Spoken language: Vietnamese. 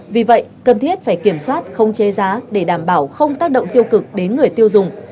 vì vậy cần thiết phải kiểm soát không chế giá để đảm bảo không tác động tiêu cực đến người tiêu dùng